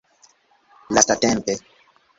lastatempe